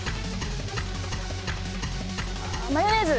マヨネーズ。